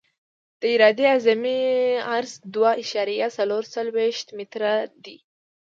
د عرادې اعظمي عرض دوه اعشاریه څلور څلویښت متره دی